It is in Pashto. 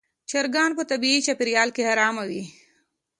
چرګان په طبیعي چاپېریال کې آرام وي.